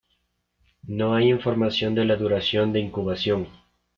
No hay información de la duración de incubación.